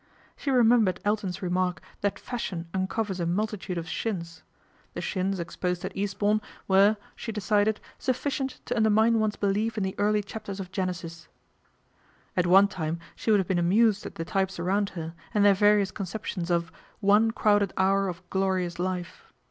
She remembered Elton's remark that Fashion uncovers a multitude of shins. The shins exposed at Eastbourne were 286 A RACE WITH SPINSTERHOOD 287 she decided, sufficient to undermine one's belief in the early chapters of Genesis. At one time she would have been amused at the types around her, and their various conceptions of " one crowded hour of glorious life."